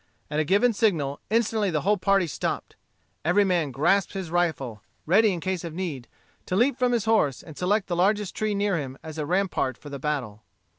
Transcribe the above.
At a given signal, instantly the whole party stopped. Every man grasped his rifle, ready in case of need, to leap from his horse, and select the largest tree near him as a rampart for the battle.